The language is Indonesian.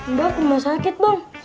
mbah ke rumah sakit bang